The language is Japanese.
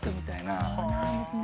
そうなんですね。